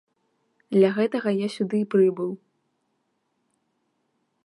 Для гэтага я сюды і прыбыў.